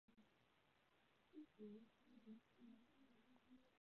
妻子来找寅次郎帮忙。